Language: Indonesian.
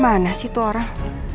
mana sih itu orang